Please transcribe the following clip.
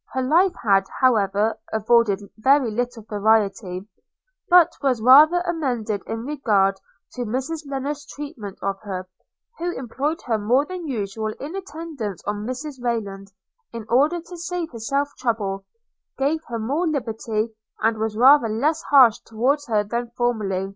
– Her life had, however, afforded very little variety, but was rather amended in regard to Mrs Lennard's treatment of her, who employed her more than usual in attendance on Mrs Rayland, in order to save herself trouble, gave her more liberty, and was rather less harsh towards her than formerly.